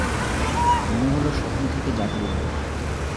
মনে হল স্বপ্ন থেকে জাগলুম।